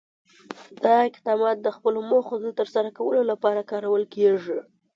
دا اقدامات د خپلو موخو د ترسره کولو لپاره کارول کېږي.